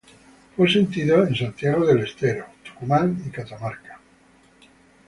Fue sentido en Santiago del Estero, Tucumán y Catamarca.